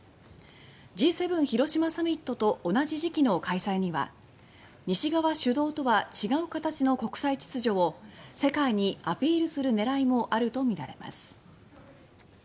Ｇ７広島サミットと同じ時期の開催には西側主導とは違う形の国際秩序を世界にアピールする狙いもあるとみられます。